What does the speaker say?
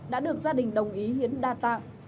đã được gia đình đồng ý hiến đa tạng